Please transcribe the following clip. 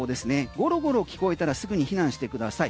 ゴロゴロ聞こえたらすぐに避難してください。